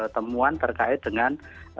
temuan terkait dengan